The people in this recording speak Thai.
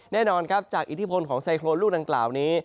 แน่นอนครับจากอิทธิพลของไซโครนลูกดังกล่าวนี้